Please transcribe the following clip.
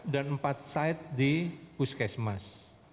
dan empat site di puskesmas